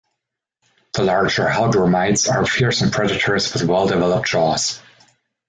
The larger hellgrammites are fearsome predators with well-developed jaws.